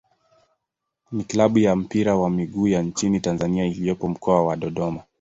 ni klabu ya mpira wa miguu ya nchini Tanzania iliyopo Mkoa wa Dodoma.